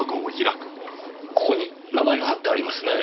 ここに名前が貼ってありますねぇ。